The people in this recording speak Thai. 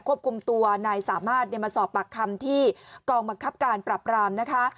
ควบคุมตัวนายสามารถมาสอบปากคำที่กองบังคับการปรับรามนะคะ